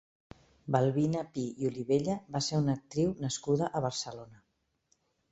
Balbina Pi i Olivella va ser una actriu nascuda a Barcelona.